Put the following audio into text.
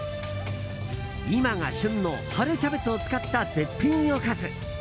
今が旬の春キャベツを使った絶品おかず。